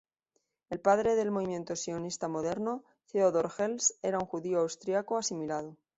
El padre del movimento Sionista moderno, Theodor Herzl, era un judío austríaco asimilado.